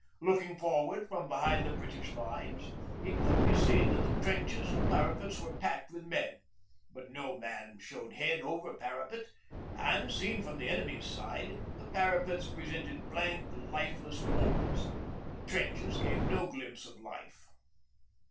Looking forward from behind the British lines, it could be seen that the trenches and parapets were packed with men; but no man showed head over parapet, and, seen from the enemy's side, the parapets presented blank, lifeless walls, the trenches gave no glimpse of life.